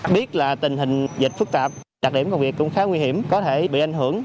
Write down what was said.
biết là tình hình dịch phức tạp đặc điểm công việc cũng khá nguy hiểm có thể bị ảnh hưởng